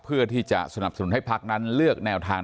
เพื่อที่จะสนับสนุนให้พักนั้นเลือกแนวทาง